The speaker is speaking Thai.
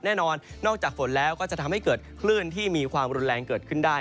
แน่นอนนอกจากฝนแล้วก็จะทำให้เกิดคลื่นที่มีความรุนแรงเกิดขึ้นได้